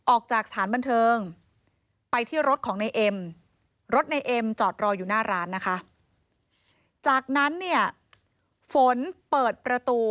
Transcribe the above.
ออกจากสถานบันเทิงไปที่รถของในเอ็ม